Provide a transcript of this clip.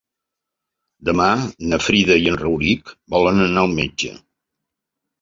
Demà na Frida i en Rauric volen anar al metge.